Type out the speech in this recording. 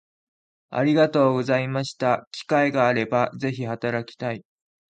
ありがとうございました機会があれば是非働きたい